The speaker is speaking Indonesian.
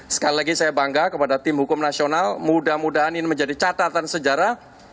sekali lagi saya bangga kepada tim hukum nasional mudah mudahan ini menjadi catatan sejarah